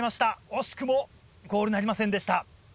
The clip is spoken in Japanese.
惜しくもゴールなりませんでした。